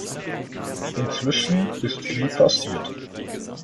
Inzwischen ist viel passiert.